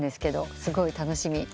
すごい楽しみ。